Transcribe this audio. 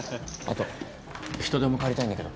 後人手も借りたいんだけど。